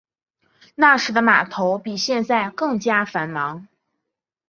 那时的码头比现在更加繁忙。